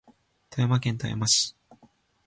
富山県富山市